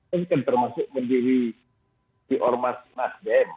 ini kan termasuk menjadi si ormat nasdem